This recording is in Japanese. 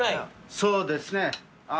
そうですね